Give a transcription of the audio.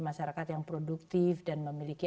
masyarakat yang produktif dan memiliki